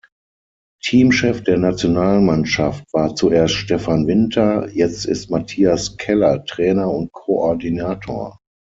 Teamchef der Nationalmannschaft war zuerst Stefan Winter, jetzt ist Mathias Keller Trainer und Koordinator.